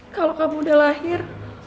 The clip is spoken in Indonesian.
kalau kamu udah lahir